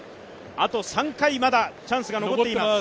あと３回、まだチャンスが残っています。